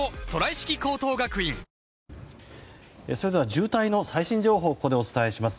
渋滞の最新情報をここでお伝えします。